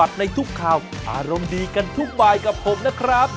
อารมณ์ดีกันทุกบายกับผมนะครับ